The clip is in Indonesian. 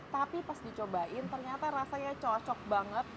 tapi pas dicobain ternyata rasanya cocok banget